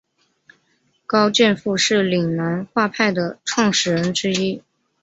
高剑父是岭南画派的创始人之一。